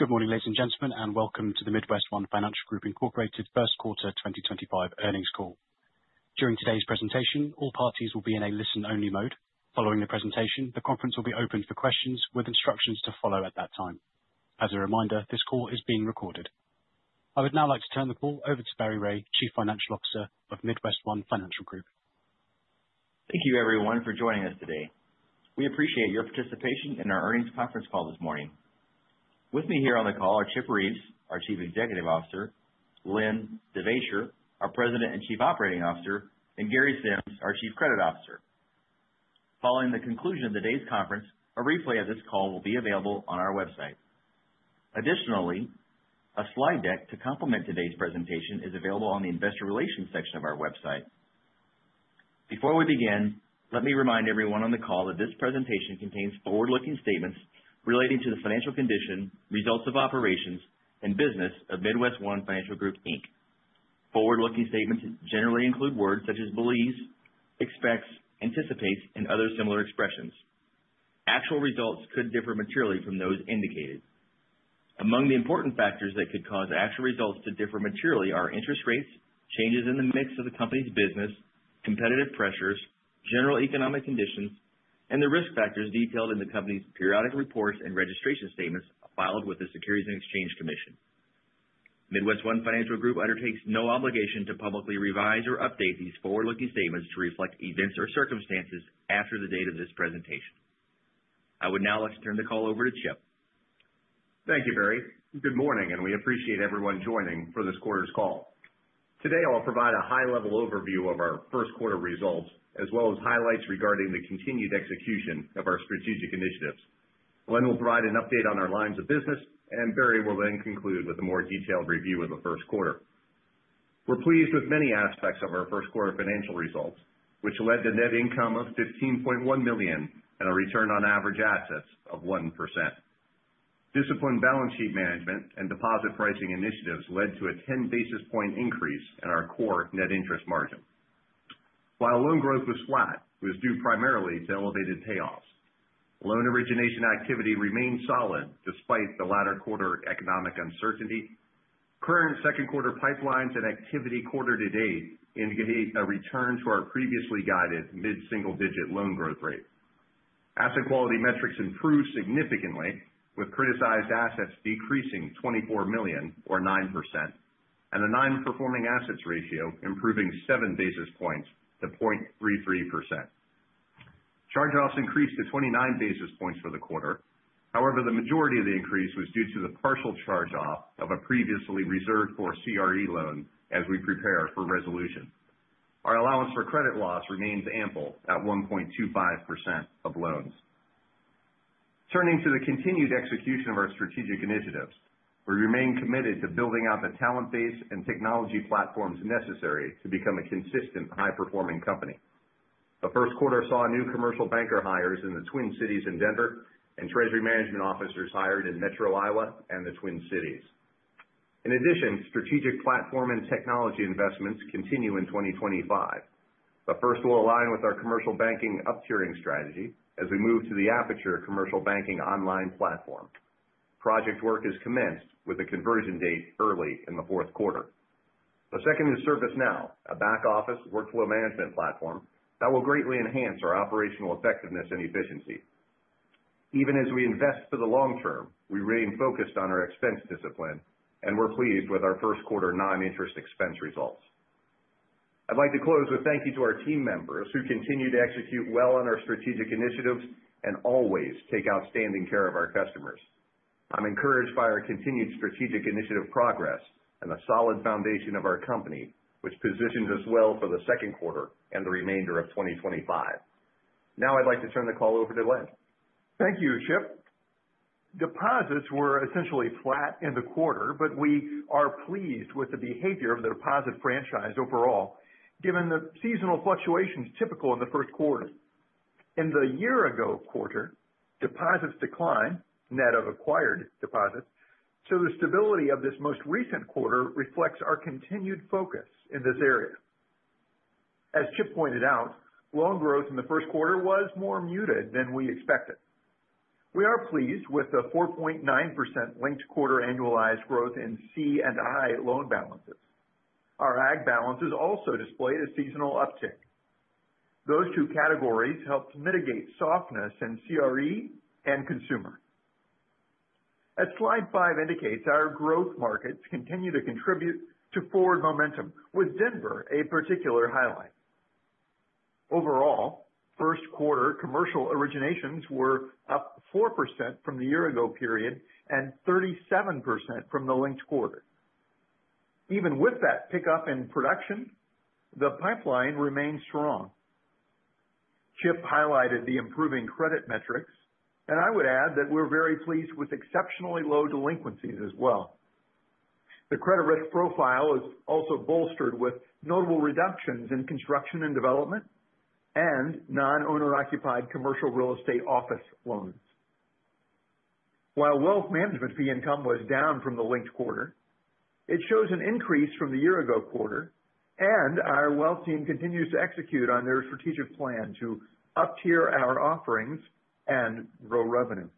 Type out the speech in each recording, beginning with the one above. Good morning, ladies and gentlemen, and welcome to the MidWestOne Financial Group Q1 2025 Earnings Call. During today's presentation, all parties will be in a listen-only mode. Following the presentation, the conference will be open for questions, with instructions to follow at that time. As a reminder, this call is being recorded. I would now like to turn the call over to Barry Ray, Chief Financial Officer of MidWestOne Financial Group. Thank you, everyone, for joining us today. We appreciate your participation in our earnings conference call this morning. With me here on the call are Chip Reeves, our Chief Executive Officer; Len Devaisher, our President and Chief Operating Officer; and Gary Sims, our Chief Credit Officer. Following the conclusion of today's conference, a replay of this call will be available on our website. Additionally, a slide deck to complement today's presentation is available on the investor relations section of our website. Before we begin, let me remind everyone on the call that this presentation contains forward-looking statements relating to the financial condition, results of operations, and business of MidWestOne Financial Group. Forward-looking statements generally include words such as believes, expects, anticipates, and other similar expressions. Actual results could differ materially from those indicated. Among the important factors that could cause actual results to differ materially are interest rates, changes in the mix of the company's business, competitive pressures, general economic conditions, and the risk factors detailed in the company's periodic reports and registration statements filed with the Securities and Exchange Commission. MidWestOne Financial Group undertakes no obligation to publicly revise or update these forward-looking statements to reflect events or circumstances after the date of this presentation. I would now like to turn the call over to Chip. Thank you, Barry. Good morning, and we appreciate everyone joining for this quarter's call. Today, I'll provide a high-level overview of our Q1 results, as well as highlights regarding the continued execution of our strategic initiatives. Lynn will provide an update on our lines of business, and Barry will then conclude with a more detailed review of the Q1. We're pleased with many aspects of our Q1 financial results, which led to net income of $15.1 million and a return on average assets of 1%. Disciplined balance sheet management and deposit pricing initiatives led to a 10 basis point increase in our core net interest margin. While loan growth was flat, it was due primarily to elevated payoffs. Loan origination activity remained solid despite the latter quarter economic uncertainty. Current second quarter pipelines and activity quarter to date indicate a return to our previously guided mid-single digit loan growth rate. Asset quality metrics improved significantly, with criticized assets decreasing $24 million, or 9%, and the non-performing assets ratio improving seven basis points to 0.33%. Charge-offs increased to 29 basis points for the quarter. However, the majority of the increase was due to the partial charge-off of a previously reserved for CRE loan as we prepare for resolution. Our allowance for credit loss remains ample at 1.25% of loans. Turning to the continued execution of our strategic initiatives, we remain committed to building out the talent base and technology platforms necessary to become a consistent high-performing company. The Q1 saw new commercial banker hires in the Twin Cities in Denver, and treasury management officers hired in Metro Iowa and the Twin Cities. In addition, strategic platform and technology investments continue in 2025. The first will align with our commercial banking up-tiering strategy as we move to the Aperture commercial banking online platform. Project work is commenced, with a conversion date early in the fourth quarter. The second is ServiceNow, a back-office workflow management platform that will greatly enhance our operational effectiveness and efficiency. Even as we invest for the long term, we remain focused on our expense discipline, and we're pleased with our Q1 non-interest expense results. I'd like to close with a thank you to our team members who continue to execute well on our strategic initiatives and always take outstanding care of our customers. I'm encouraged by our continued strategic initiative progress and the solid foundation of our company, which positions us well for the second quarter and the remainder of 2025. Now, I'd like to turn the call over to Len. Thank you, Chip. Deposits were essentially flat in the quarter, but we are pleased with the behavior of the deposit franchise overall, given the seasonal fluctuations typical in the Q1. In the year-ago quarter, deposits declined net of acquired deposits, so the stability of this most recent quarter reflects our continued focus in this area. As Chip pointed out, loan growth in the Q1 was more muted than we expected. We are pleased with the 4.9% linked quarter annualized growth in C&I loan balances. Our ag balances also displayed a seasonal uptick. Those two categories helped mitigate softness in CRE and consumer. As slide five indicates, our growth markets continue to contribute to forward momentum, with Denver a particular highlight. Overall, Q1 commercial originations were up 4% from the year-ago period and 37% from the linked quarter. Even with that pickup in production, the pipeline remains strong. Chip highlighted the improving credit metrics, and I would add that we're very pleased with exceptionally low delinquencies as well. The credit risk profile is also bolstered with notable reductions in construction and development and non-owner-occupied commercial real estate office loans. While wealth management fee income was down from the linked quarter, it shows an increase from the year-ago quarter, and our wealth team continues to execute on their strategic plan to up-tier our offerings and grow revenue.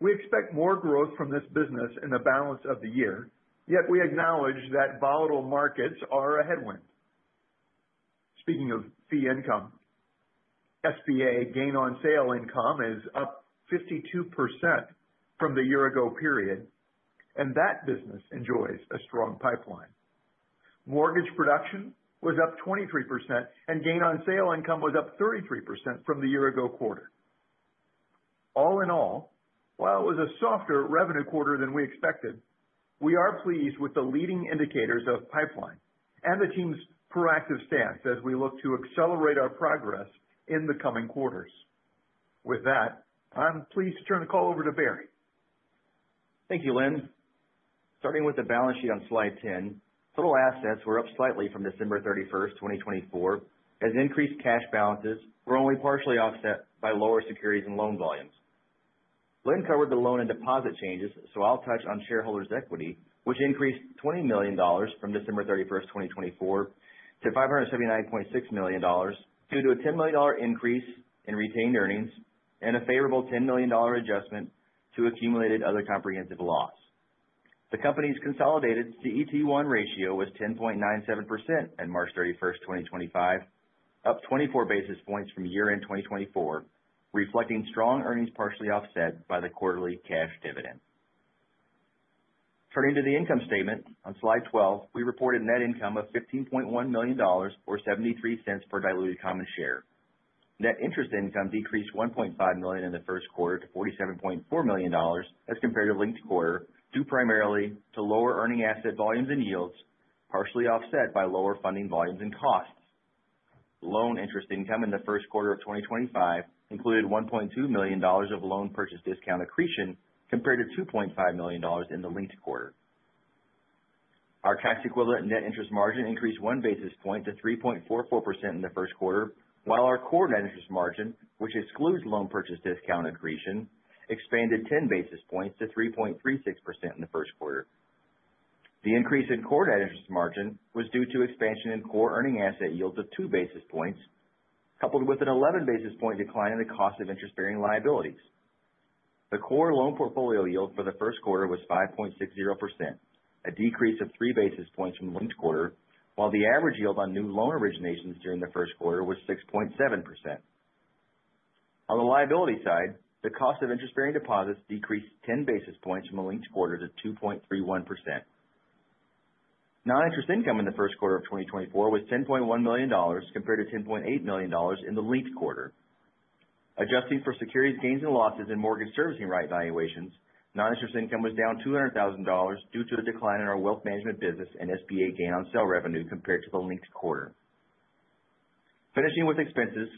We expect more growth from this business in the balance of the year, yet we acknowledge that volatile markets are a headwind. Speaking of fee income, S&BA gain-on-sale income is up 52% from the year-ago period, and that business enjoys a strong pipeline. Mortgage production was up 23%, and gain-on-sale income was up 33% from the year-ago quarter. All in all, while it was a softer revenue quarter than we expected, we are pleased with the leading indicators of pipeline and the team's proactive stance as we look to accelerate our progress in the coming quarters. With that, I'm pleased to turn the call over to Barry. Thank you, Lynn. Starting with the balance sheet on slide 10, total assets were up slightly from December 31, 2024, as increased cash balances were only partially offset by lower securities and loan volumes. Len covered the loan and deposit changes, so I'll touch on shareholders' equity, which increased $20 million from December 31, 2024, to $579.6 million due to a $10 million increase in retained earnings and a favorable $10 million adjustment to accumulated other comprehensive loss. The company's consolidated CET1 ratio was 10.97% on March 31, 2025, up 24 basis points from year-end 2024, reflecting strong earnings partially offset by the quarterly cash dividend. Turning to the income statement, on slide 12, we reported net income of $15.1 million, or $0.73 per diluted common share. Net interest income decreased $1.5 million in the Q1 to $47.4 million as compared to linked quarter due primarily to lower earning asset volumes and yields, partially offset by lower funding volumes and costs. Loan interest income in the Q1 of 2025 included $1.2 million of loan purchase discount accretion compared to $2.5 million in the linked quarter. Our tax equivalent net interest margin increased one basis point to 3.44% in the Q1, while our core net interest margin, which excludes loan purchase discount accretion, expanded 10 basis points to 3.36% in the Q1. The increase in core net interest margin was due to expansion in core earning asset yields of two basis points, coupled with an 11 basis point decline in the cost of interest-bearing liabilities. The core loan portfolio yield for the Q1 was 5.60%, a decrease of three basis points from the linked quarter, while the average yield on new loan originations during the Q1 was 6.7%. On the liability side, the cost of interest-bearing deposits decreased 10 basis points from the linked quarter to 2.31%. Non-interest income in the Q1 of 2024 was $10.1 million compared to $10.8 million in the linked quarter. Adjusting for securities gains and losses and mortgage servicing rate valuations, non-interest income was down $200,000 due to a decline in our wealth management business and SBA gain-on-sale revenue compared to the linked quarter. Finishing with expenses,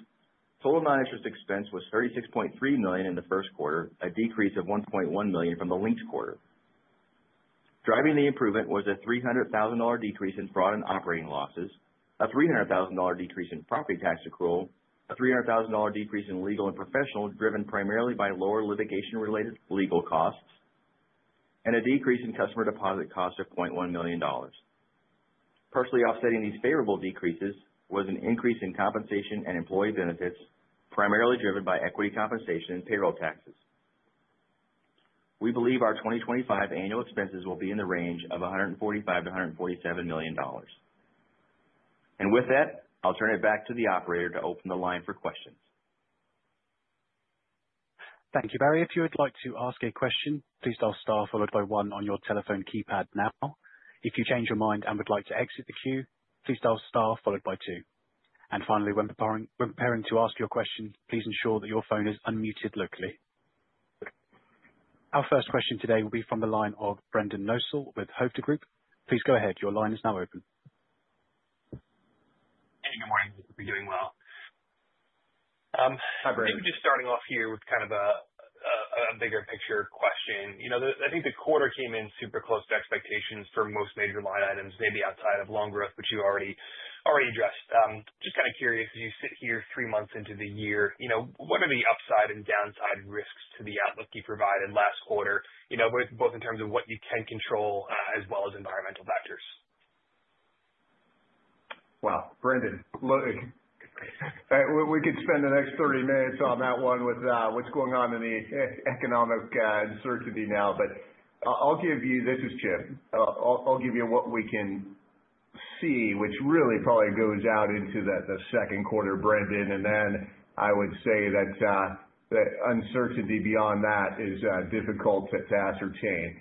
total non-interest expense was $36.3 million in the Q1, a decrease of $1.1 million from the linked quarter. Driving the improvement was a $300,000 decrease in fraud and operating losses, a $300,000 decrease in property tax accrual, a $300,000 decrease in legal and professional driven primarily by lower litigation-related legal costs, and a decrease in customer deposit costs of $0.1 million. Partially offsetting these favorable decreases was an increase in compensation and employee benefits, primarily driven by equity compensation and payroll taxes. We believe our 2025 annual expenses will be in the range of $145-$147 million. With that, I'll turn it back to the operator to open the line for questions. Thank you, Barry. If you would like to ask a question, please dial STAR followed by 1 on your telephone keypad now. If you change your mind and would like to exit the queue, please dial STAR followed by 2. Finally, when preparing to ask your question, please ensure that your phone is unmuted locally. Our first question today will be from the line of Brendan Nosal with Hovde Group. Please go ahead. Your line is now open. Hey, good morning. Hope you're doing well. Maybe just starting off here with kind of a bigger picture question. I think the quarter came in super close to expectations for most major line items, maybe outside of loan growth, which you already addressed. Just kind of curious, as you sit here three months into the year, what are the upside and downside risks to the outlook you provided last quarter, both in terms of what you can control as well as environmental factors? Wow, Brendan. We could spend the next 30 minutes on that one with what's going on in the economic uncertainty now. I'll give you—this is Chip. I'll give you what we can see, which really probably goes out into the second quarter, Brendan. I would say that the uncertainty beyond that is difficult to ascertain.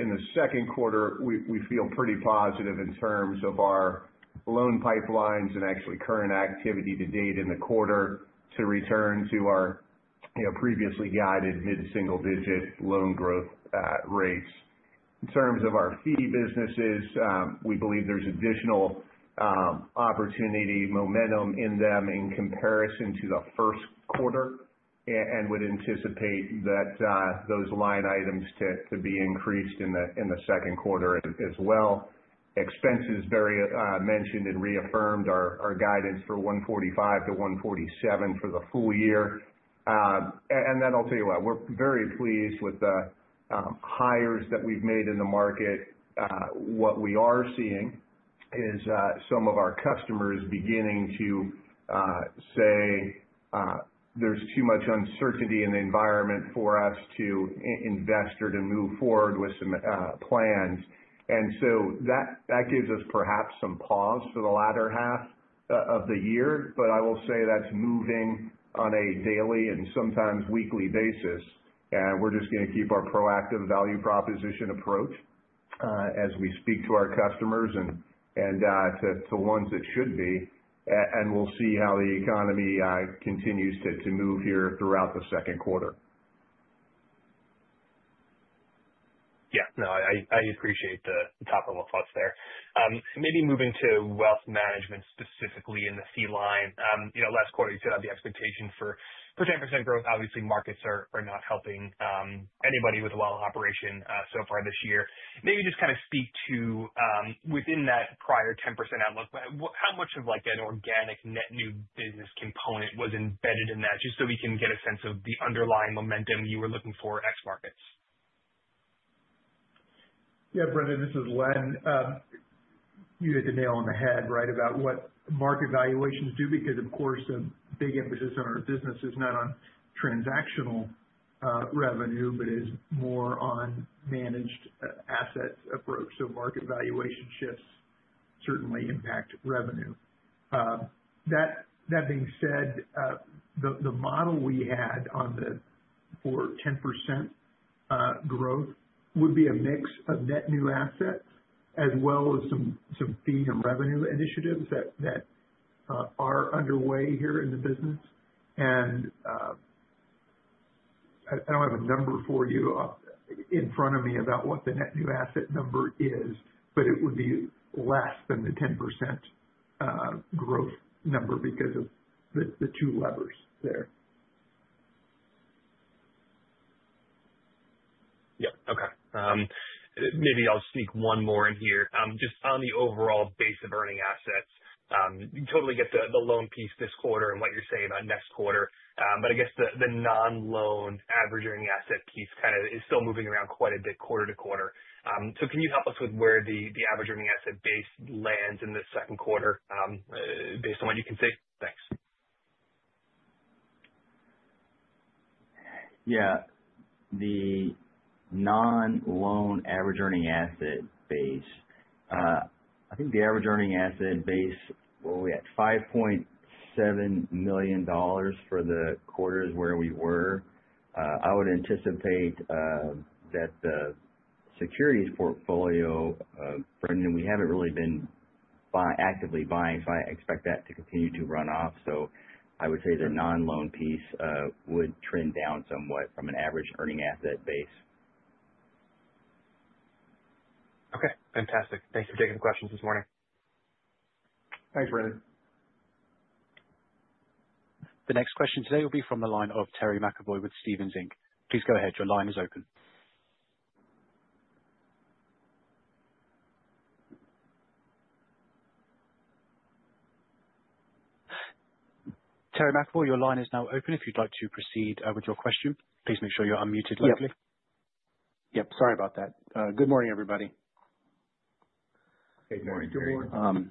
In the second quarter, we feel pretty positive in terms of our loan pipelines and actually current activity to date in the quarter to return to our previously guided mid-single digit loan growth rates. In terms of our fee businesses, we believe there's additional opportunity momentum in them in comparison to the Q1, and would anticipate that those line items to be increased in the second quarter as well. Expenses, Barry mentioned and reaffirmed our guidance for $145 to $147 for the full year. I will tell you what, we're very pleased with the hires that we've made in the market. What we are seeing is some of our customers beginning to say there's too much uncertainty in the environment for us to invest or to move forward with some plans. That gives us perhaps some pause for the latter half of the year. I will say that's moving on a daily and sometimes weekly basis. We're just going to keep our proactive value proposition approach as we speak to our customers and to ones that should be. We'll see how the economy continues to move here throughout the second quarter. No, I appreciate the topical thoughts there. Maybe moving to wealth management specifically in the fee line. Last quarter, you said on the expectation for 10% growth, obviously markets are not helping anybody with a wealth operation so far this year. Maybe just kind of speak to, within that prior 10% outlook, how much of an organic net new business component was embedded in that, just so we can get a sense of the underlying momentum you were looking for ex-markets? Yeah, Brendan, this is Lynn. You hit the nail on the head, right, about what market valuations do, because, of course, the big emphasis on our business is not on transactional revenue, but is more on managed assets approach. Market valuation shifts certainly impact revenue. That being said, the model we had for 10% growth would be a mix of net new assets as well as some fee and revenue initiatives that are underway here in the business. I do not have a number for you in front of me about what the net new asset number is, but it would be less than the 10% growth number because of the two levers there. Yeah. Okay. Maybe I'll sneak one more in here. Just on the overall base of earning assets, you totally get the loan piece this quarter and what you're saying on next quarter. I guess the non-loan average earning asset piece kind of is still moving around quite a bit quarter to quarter. Can you help us with where the average earning asset base lands in the second quarter based on what you can see? Thanks. Yeah. The non-loan average earning asset base, I think the average earning asset base, we had $5.7 million for the quarters where we were. I would anticipate that the securities portfolio, Brendan, we haven't really been actively buying, I expect that to continue to run off. I would say the non-loan piece would trend down somewhat from an average earning asset base. Okay. Fantastic. Thanks for taking the questions this morning. Thanks, Brendan. The next question today will be from the line of Terry McEvoy with Stephens Inc. Please go ahead. Your line is open. Terry McEvoy, your line is now open. If you'd like to proceed with your question, please make sure you're unmuted locally. Sorry about that. Good morning, everybody. Good morning. Good morning.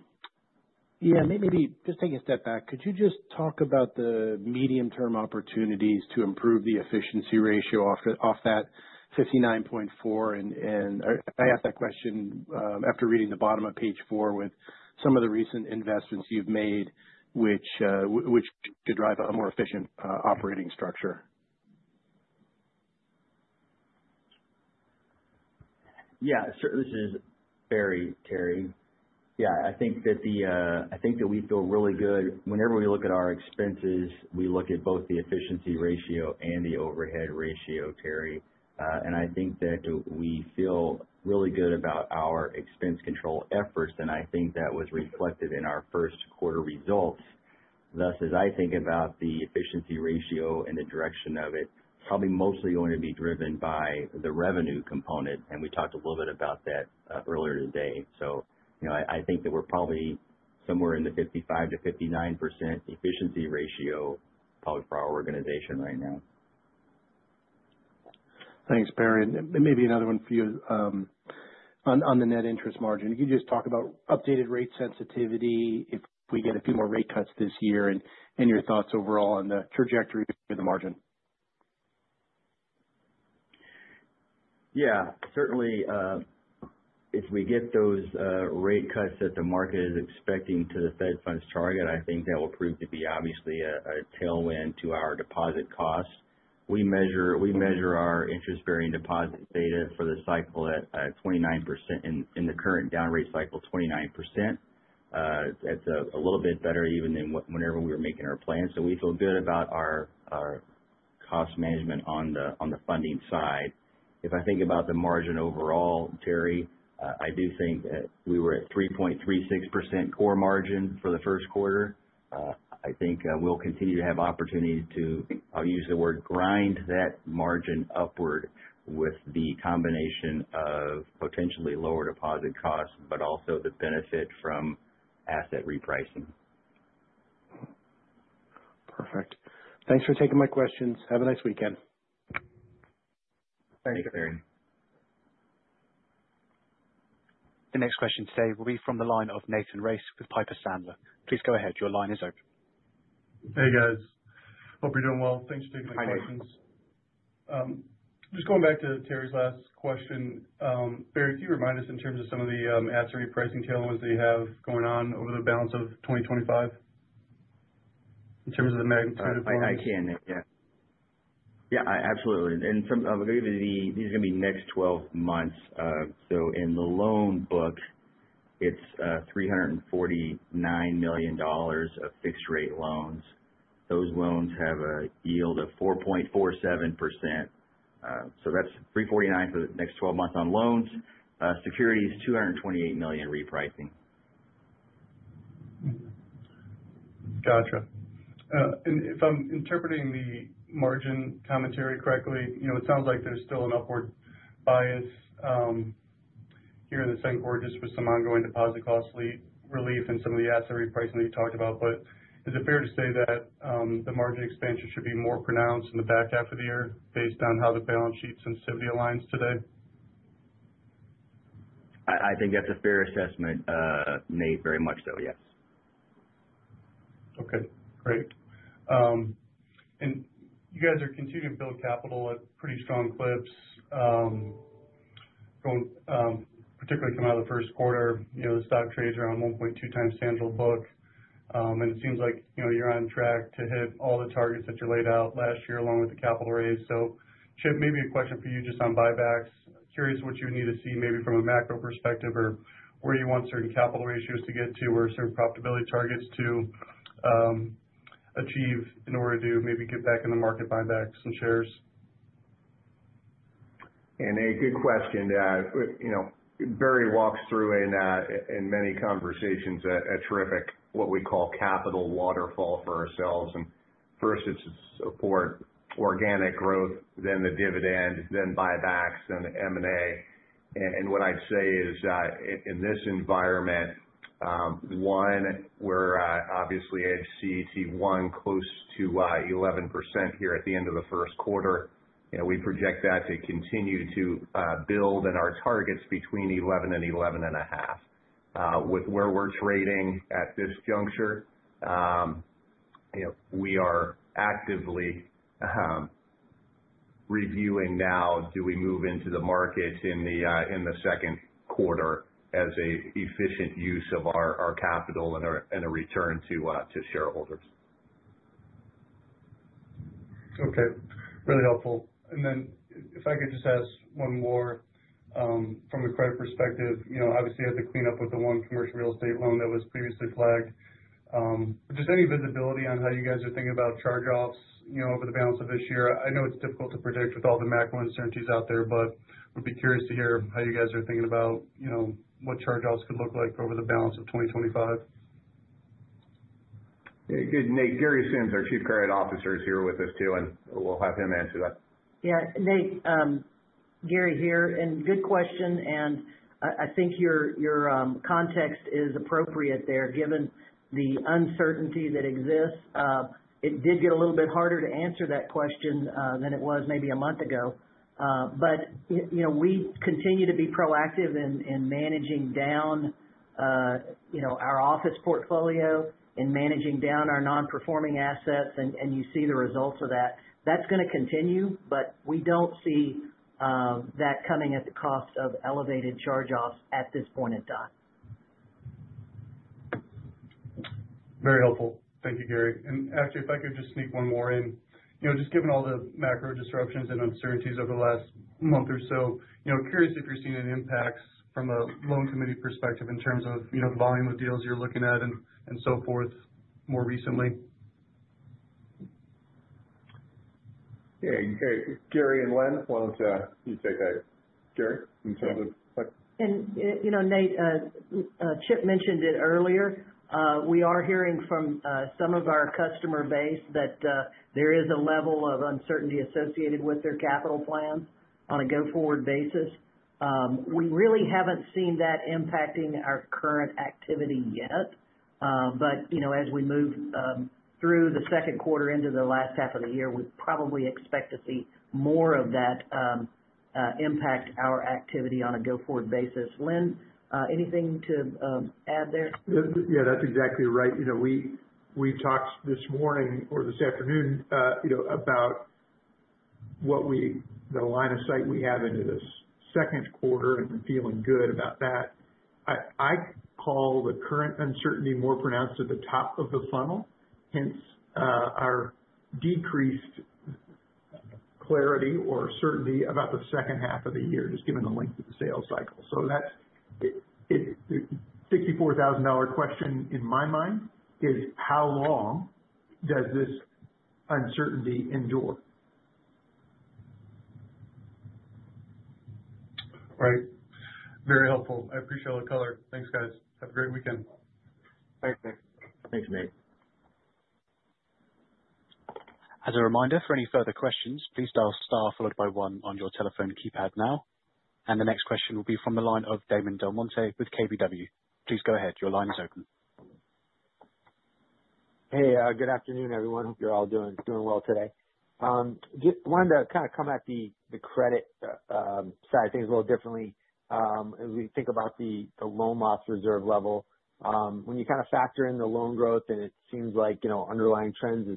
Yeah. Maybe just take a step back. Could you just talk about the medium-term opportunities to improve the efficiency ratio off that 59.4%? I asked that question after reading the bottom of page four with some of the recent investments you've made, which should drive a more efficient operating structure. Yeah. This is Barry, Terry. Yeah. I think that we feel really good. Whenever we look at our expenses, we look at both the efficiency ratio and the overhead ratio, Terry. I think that we feel really good about our expense control efforts. I think that was reflected in our Q1 results. Thus, as I think about the efficiency ratio and the direction of it, probably mostly going to be driven by the revenue component. We talked a little bit about that earlier today. I think that we're probably somewhere in the 55-59% efficiency ratio probably for our organization right now. Thanks, Barry. Maybe another one for you on the net interest margin. Could you just talk about updated rate sensitivity if we get a few more rate cuts this year and your thoughts overall on the trajectory of the margin? Yeah. Certainly, if we get those rate cuts that the market is expecting to the Fed funds target, I think that will prove to be obviously a tailwind to our deposit costs. We measure our interest-bearing deposit data for the cycle at 29% in the current down rate cycle, 29%. That's a little bit better even than whenever we were making our plans. So we feel good about our cost management on the funding side. If I think about the margin overall, Terry, I do think that we were at 3.36% core margin for the Q1. I think we'll continue to have opportunities to—I’ll use the word—grind that margin upward with the combination of potentially lower deposit costs, but also the benefit from asset repricing. Perfect. Thanks for taking my questions. Have a nice weekend. Thanks, Terry. The next question today will be from the line of Nathan Race with Piper Sandler. Please go ahead. Your line is open. Hey, guys. Hope you're doing well. Thanks for taking the questions. Just going back to Terry's last question, Barry, can you remind us in terms of some of the asset repricing tailwinds that you have going on over the balance of 2025 in terms of the magnitude of loans? I can. Yeah. Yeah. Absolutely. I'll give you the—these are going to be next 12 months. In the loan book, it's $349 million of fixed-rate loans. Those loans have a yield of 4.47%. That's $349 million for the next 12 months on loans. Securities, $228 million repricing. Gotcha. If I'm interpreting the margin commentary correctly, it sounds like there's still an upward bias here in the second quarter just with some ongoing deposit cost relief and some of the asset repricing that you talked about. Is it fair to say that the margin expansion should be more pronounced in the back half of the year based on how the balance sheet sensitivity aligns today? I think that's a fair assessment, Nate, very much so. Yes. Okay. Great. You guys are continuing to build capital at pretty strong clips, particularly coming out of the Q1. The stock trades around 1.2 times Sandelbook. It seems like you're on track to hit all the targets that you laid out last year along with the capital raise. Chip, maybe a question for you just on buybacks. Curious what you would need to see maybe from a macro perspective or where you want certain capital ratios to get to or certain profitability targets to achieve in order to maybe get back in the market buybacks and shares. A good question. Barry walks through in many conversations a terrific, what we call, capital waterfall for ourselves. First, it is support, organic growth, then the dividend, then buybacks, then M&A. What I would say is, in this environment, one, we are obviously at CET1, close to 11% here at the end of the Q1. We project that to continue to build in our targets between 11 to 11.5%. With where we are trading at this juncture, we are actively reviewing now, do we move into the market in the second quarter as an efficient use of our capital and a return to shareholders. Okay. Really helpful. If I could just ask one more from a credit perspective, obviously you had the cleanup with the one commercial real estate loan that was previously flagged. Just any visibility on how you guys are thinking about charge-offs over the balance of this year? I know it's difficult to predict with all the macro uncertainties out there, but would be curious to hear how you guys are thinking about what charge-offs could look like over the balance of 2025. Very good. Nate, Gary Sims, our Chief Credit Officer, is here with us too, and we'll have him answer that. Yeah. Nate, Gary here. Good question. I think your context is appropriate there. Given the uncertainty that exists, it did get a little bit harder to answer that question than it was maybe a month ago. We continue to be proactive in managing down our office portfolio, in managing down our non-performing assets, and you see the results of that. That is going to continue, but we do not see that coming at the cost of elevated charge-offs at this point in time. Very helpful. Thank you, Gary. Actually, if I could just sneak one more in. Just given all the macro disruptions and uncertainties over the last month or so, curious if you're seeing any impacts from a loan committee perspective in terms of the volume of deals you're looking at and so forth more recently. Yeah. Gary and Lynn, why don't you take that? Gary? In terms of. Sure. Nate, Chip mentioned it earlier. We are hearing from some of our customer base that there is a level of uncertainty associated with their capital plans on a go-forward basis. We really have not seen that impacting our current activity yet. As we move through the second quarter into the last half of the year, we probably expect to see more of that impact our activity on a go-forward basis. Lynn, anything to add there? Yeah. That's exactly right. We talked this morning or this afternoon about the line of sight we have into this second quarter and feeling good about that. I call the current uncertainty more pronounced at the top of the funnel, hence our decreased clarity or certainty about the second half of the year, just given the length of the sales cycle. The $64,000 question in my mind is, how long does this uncertainty endure? All right. Very helpful. I appreciate all the color. Thanks, guys. Have a great weekend. Thanks, Nate. As a reminder, for any further questions, please dial STAR followed by 1 on your telephone keypad now. The next question will be from the line of Damon DelMonte with KBW. Please go ahead. Your line is open. Hey. Good afternoon, everyone. Hope you're all doing well today. Just wanted to kind of come at the credit side of things a little differently as we think about the loan loss reserve level. When you kind of factor in the loan growth, and it seems like underlying trends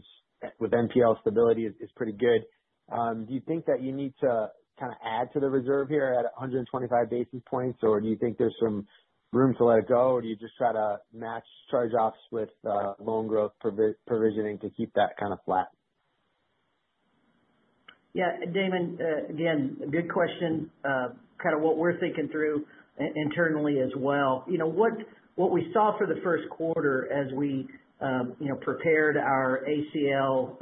with NPL stability is pretty good, do you think that you need to kind of add to the reserve here at 125 basis points, or do you think there's some room to let it go, or do you just try to match charge-offs with loan growth provisioning to keep that kind of flat? Yeah. Damon, again, good question. Kind of what we're thinking through internally as well. What we saw for the Q1 as we prepared our ACL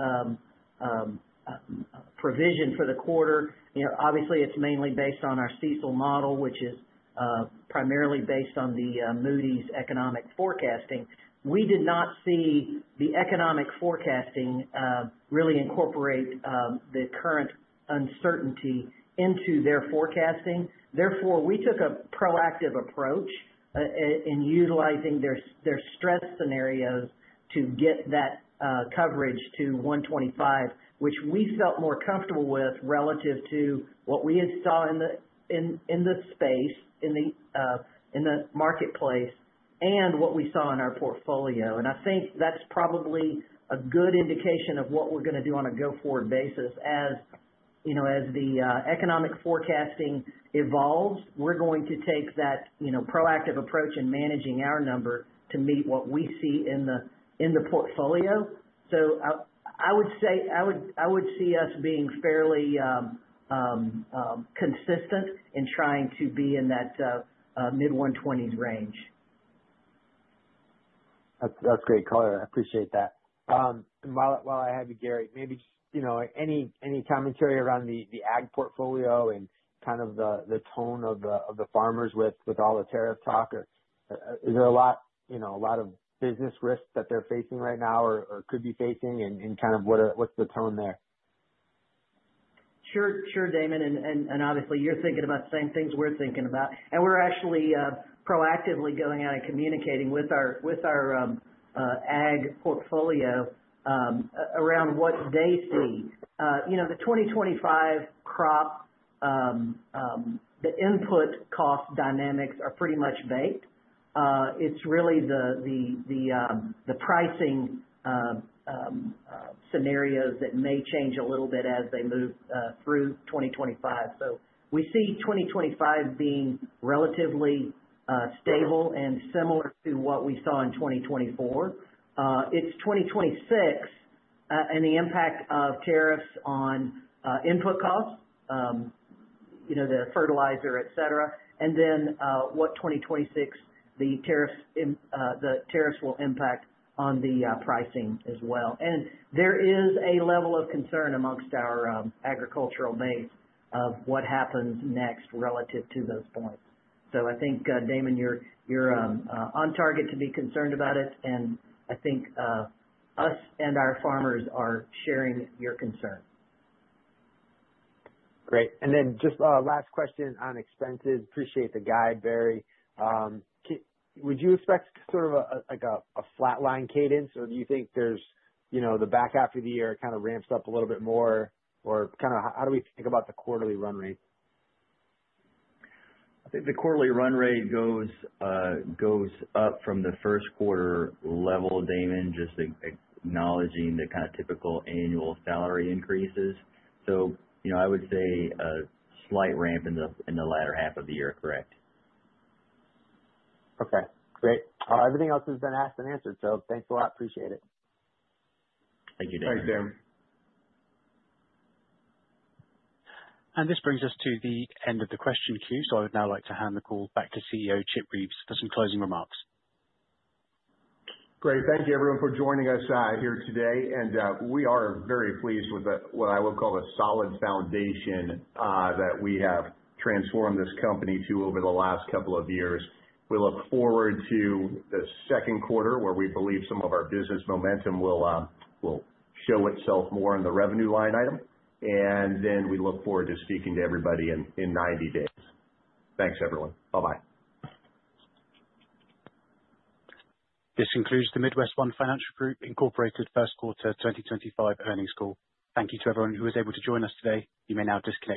provision for the quarter, obviously, it's mainly based on our CESOL model, which is primarily based on the Moody's economic forecasting. We did not see the economic forecasting really incorporate the current uncertainty into their forecasting. Therefore, we took a proactive approach in utilizing their stress scenarios to get that coverage to 1.25%, which we felt more comfortable with relative to what we had saw in the space, in the marketplace, and what we saw in our portfolio. I think that's probably a good indication of what we're going to do on a go-forward basis. As the economic forecasting evolves, we're going to take that proactive approach in managing our number to meet what we see in the portfolio. I would say I would see us being fairly consistent in trying to be in that mid-120s range. That's great, Gary. I appreciate that. While I have you, Gary, maybe just any commentary around the ag portfolio and kind of the tone of the farmers with all the tariff talk? Is there a lot of business risk that they're facing right now or could be facing, and kind of what's the tone there? Sure. Sure, Damon. Obviously, you're thinking about the same things we're thinking about. We're actually proactively going out and communicating with our ag portfolio around what they see. The 2025 crop, the input cost dynamics are pretty much baked. It's really the pricing scenarios that may change a little bit as they move through 2025. We see 2025 being relatively stable and similar to what we saw in 2024. It's 2026 and the impact of tariffs on input costs, the fertilizer, etc., and then what 2026 the tariffs will impact on the pricing as well. There is a level of concern amongst our agricultural base of what happens next relative to those points. I think, Damon, you're on target to be concerned about it. I think us and our farmers are sharing your concern. Great. And then just last question on expenses. Appreciate the guide, Barry. Would you expect sort of a flatline cadence, or do you think the back half of the year kind of ramps up a little bit more, or kind of how do we think about the quarterly run rate? I think the quarterly run rate goes up from the Q1 level, Damon, just acknowledging the kind of typical annual salary increases. I would say a slight ramp in the latter half of the year. Correct. Great. Everything else has been asked and answered. Thanks a lot. Appreciate it. Thank you, Damon. This brings us to the end of the question queue. I would now like to hand the call back to CEO Chip Reeves for some closing remarks. Great. Thank you, everyone, for joining us here today. We are very pleased with what I would call a solid foundation that we have transformed this company to over the last couple of years. We look forward to the second quarter, where we believe some of our business momentum will show itself more in the revenue line item. We look forward to speaking to everybody in 90 days. Thanks, everyone. Bye-bye. This concludes the MidWestOne Financial Group Q1 2025 earnings call. Thank you to everyone who was able to join us today. You may now disconnect.